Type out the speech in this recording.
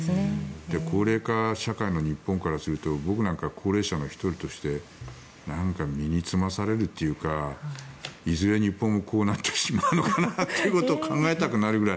高齢化社会の日本からすると僕なんか高齢者の１人としてなんか身につまされるというかいずれ日本もこうなってしまうのかなということを考えたくなるぐらい。